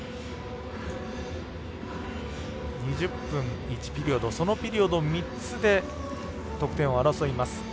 ２０分、１ピリオドそのピリオド、３つで得点を争います。